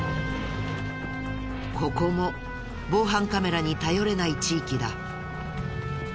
ここも防犯カメラに頼れない地域だ。